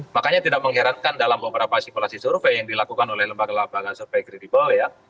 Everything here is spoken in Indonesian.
makanya tidak mengherankan dalam beberapa simulasi survei yang dilakukan oleh lembaga lembaga survei kredibel ya